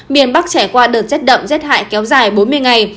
miền bắc trải qua đợt rét đậm rét hại kéo dài bốn mươi ngày